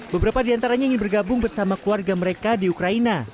beberapa di antaranya ingin bergabung bersama keluarga mereka di ukraina